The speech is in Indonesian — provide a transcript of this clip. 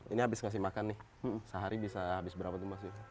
ini habis ngasih makan nih sehari bisa habis berapa tuh mas